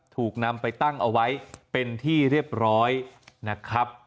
ถูกนำไปตั้งเอาไว้เป็นที่เรียบร้อยนะครับ